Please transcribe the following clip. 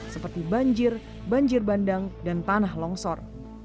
seperti banjir banjir bandang dan tanah longsor